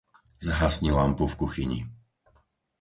Zhasni lampu v kuchyni.